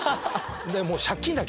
でもう。